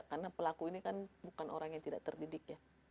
karena pelaku ini kan bukan orang yang tidak terdidik